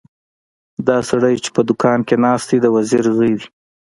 دا سړی چې په دوکان کې ناست دی د وزیر زوی دی.